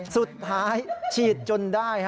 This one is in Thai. สุดท้ายฉีดจนได้